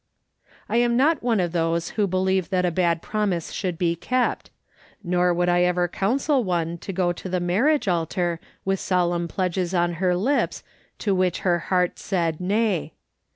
I am not one of those who believe that a bad promise should be kept ; nor would I ever counsel one to go to the marriage altar with solemn pledges on her lips to which her heart said nay.